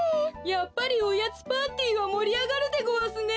やっぱりおやつパーティーはもりあがるでごわすね！